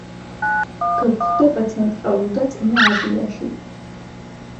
გვხვდება ცენტრალურ და წინა აზიაში.